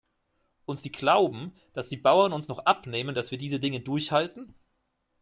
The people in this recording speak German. Und Sie glauben, dass die Bauern uns noch abnehmen, dass wir diese Dinge durchhalten?